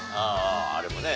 あれもね